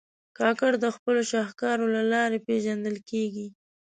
کاکړ د خپلو شهکارو له لارې پېژندل کېږي.